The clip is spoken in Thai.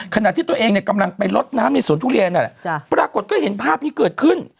ขณะที่ตัวเองเนี่ยกำลังไปลดน้ำในสวนทุเรียนนั่นแหละปรากฏก็เห็นภาพนี้เกิดขึ้น